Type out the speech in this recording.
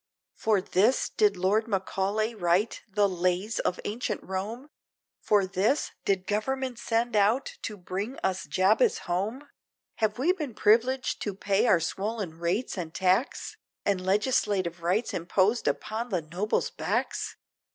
For this! did Lord Macaulay write "The Lays of Antient Rome?" For this! did Government send out to bring us Jabez home? Have we been privileged to pay our swollen rates and tax? And legislative rights imposed upon the noble's backs?